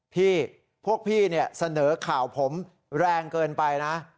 พี่พวกพี่เนี่ยเสนอข่าวผมแรงเกินไปนะ